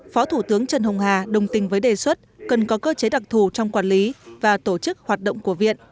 phó thủ tướng trần hồng hà đồng tình với đề xuất cần có cơ chế đặc thù trong quản lý và tổ chức hoạt động của viện